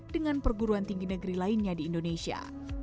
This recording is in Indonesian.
dengan perguruan tinggi negeri lainnya di indonesia